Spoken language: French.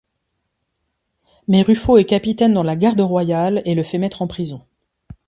Mais Ruffo est capitaine dans la garde royale et le fait mettre en prison.